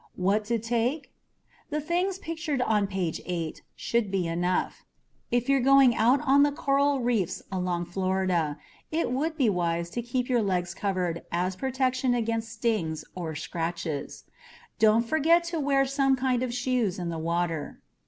What to take? The things pictured on page 8 should be enough. If you're going out on the coral reefs along Florida, it would be wise to keep your legs covered as protection against stings or scratches. Don't ever forget to wear some kind of shoes in the water.